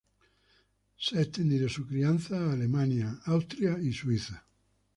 Se ha extendido su crianza a Alemania, Austria y Suiza.